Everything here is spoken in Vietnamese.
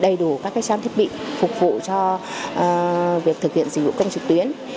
đầy đủ các trang thiết bị phục vụ cho việc thực hiện dịch vụ công trực tuyến